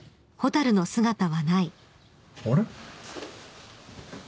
あれ？